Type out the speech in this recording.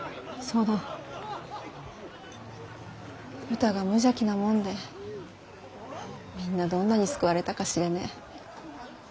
うたが無邪気なもんでみんなどんなに救われたか知れねぇ。